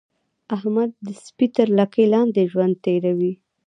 احمد د سپي تر لګۍ لاندې ژوند تېروي.